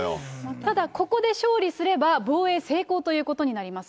ただ、ここで勝利すれば、防衛成功ということになります。